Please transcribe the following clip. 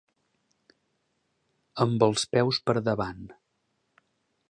Amb els peus per davant.